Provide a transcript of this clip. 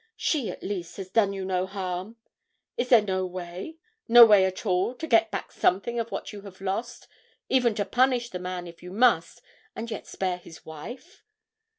She, at least, has done you no harm! Is there no way no way at all to get back something of what you have lost; even to punish the man, if you must, and yet spare his wife?'